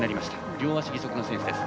両足義足の選手です。